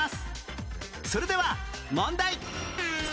それでは問題